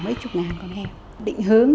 mấy chục ngàn con heo định hướng